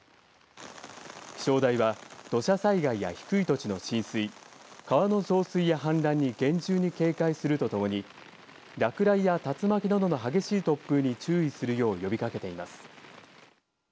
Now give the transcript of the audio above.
気象台は土砂災害や低い土地の浸水川の増水や氾濫に厳重に警戒するとともに落雷や竜巻などの激しい突風に注意するよう呼びかけています。